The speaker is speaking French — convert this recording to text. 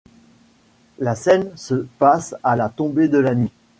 La scène se passe à la tombée de la nuit.